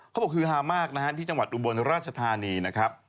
เขาบอกฮือหามากนะครับที่จังหวัดอุบรณราชธานีนะครับ